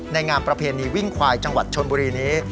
งามประเพณีวิ่งควายจังหวัดชนบุรีนี้